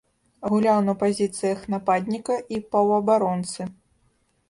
Гуляў на пазіцыях нападніка і паўабаронцы.